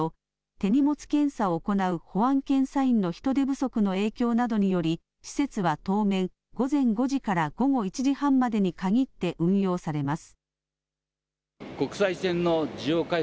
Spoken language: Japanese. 手荷物検査を行う保安検査員の人手不足の影響などにより施設は当面、午前５時から午後１時半までに限って運用されます。